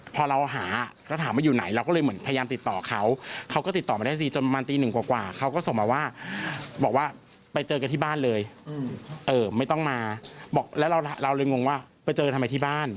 พี่อยู่ไหนแล้วเขาบอกว่าพี่อยู่ตรงนี้